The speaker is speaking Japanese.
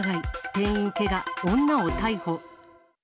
店員けが、女を逮捕。